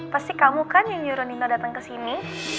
pasti kamu kan yang juru nino dateng ke sini